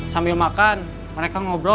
sambil makan mereka ngobrol